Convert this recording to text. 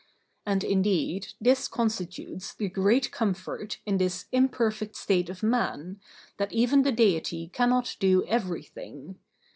And indeed this constitutes the great comfort in this imperfect state of man, that even the Deity cannot do everything.